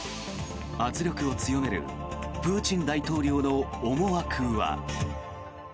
圧力を強めるプーチン大統領の思惑は。